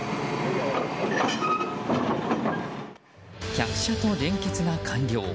客車と連結が完了。